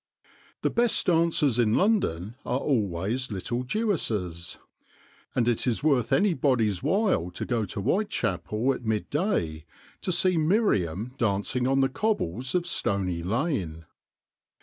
The best dancers in 148 THE DAY BEFORE YESTERDAY London are always little Jewesses, and it is worth anybody's while to go to White chapel at midday to see Miriam dancing on the cobbles of Stoney Lane.